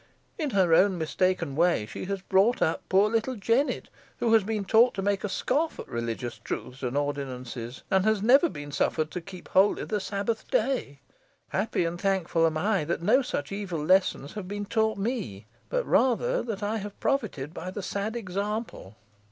In her own mistaken way she has brought up poor little Jennet, who has been taught to make a scoff at religious truths and ordinances, and has never been suffered to keep holy the Sabbath day. Happy and thankful am I, that no such evil lessons have been taught me, but rather, that I have profited by the sad example.